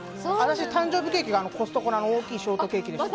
誕生日ケーキが、コストコの大きいショートケーキでした。